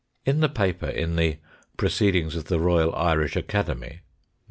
In the paper in the " Proceedings of the Royal Irish Academy," Nov.